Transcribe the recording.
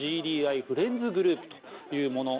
ＧＤＩフレンズグループというもの。